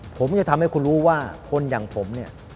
ผมจะทำให้คุณรู้ว่าคนอย่างผมเนี่ย